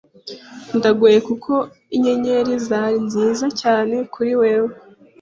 Ndagoye kuko inyenyeri zari nziza cyane kuri wewe